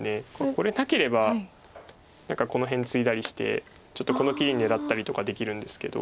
これなければ何かこの辺ツイだりしてちょっとこの切り狙ったりとかできるんですけど。